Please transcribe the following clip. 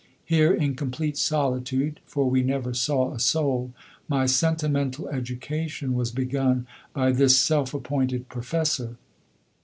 Here, in complete solitude, for we never saw a soul, my sentimental education was begun by this self appointed professor.